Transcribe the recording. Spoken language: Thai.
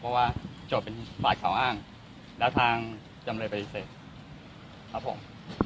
เพราะว่าโจทย์เป็นฝ่ายข่าวอ้างแล้วทางจำเลยปฏิเสธครับผม